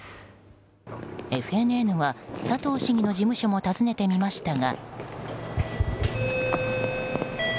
ＦＮＮは佐藤市議の事務所も訪ねてみましたが。